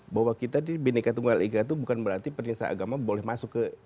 bahwa kita di bnik tunggal iga itu bukan berarti penista agama boleh masuk ke